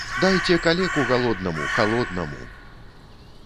Дайце калеку галоднаму, халоднаму!